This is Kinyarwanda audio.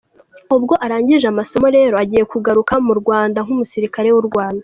Ubwo arangije amasomo rero agiye kugaruka mu Rwanda nk’umusirikare w’u Rwanda.